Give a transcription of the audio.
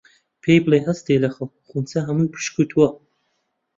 پێی بڵێ هەستێ لە خەو، خونچە هەموو پشکووتووە